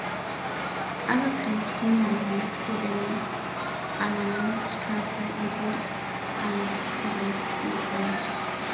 Other terms commonly used for an unannounced transfer include "unsupervised" and "blind".